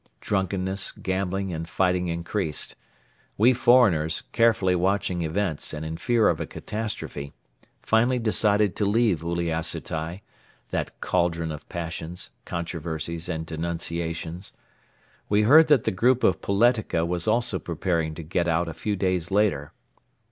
Drunkenness, gambling and fighting increased. We foreigners, carefully watching events and in fear of a catastrophe, finally decided to leave Uliassutai, that caldron of passions, controversies and denunciations. We heard that the group of Poletika was also preparing to get out a few days later.